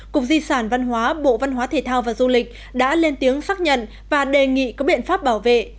cục di sản văn hóa bộ văn hóa thể thao và du lịch đã lên tiếng xác nhận và đề nghị có biện pháp bảo vệ